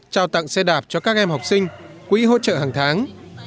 trao tặng xe đạp cho các em học sinh quỹ hỗ trợ hàng tháng